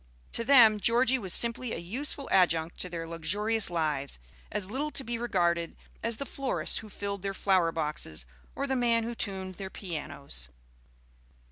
To them, Georgie was simply a useful adjunct to their luxurious lives, as little to be regarded as the florist who filled their flower boxes or the man who tuned their pianos.